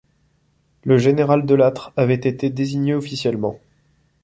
Le général de Lattre avait été désigné officiellement.